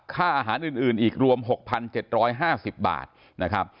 ค่าอาหารอื่นอีกรวม๖๗๕๐บาทนะครับ